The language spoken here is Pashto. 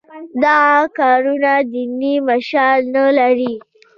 دغه کارونه دیني منشأ نه لري.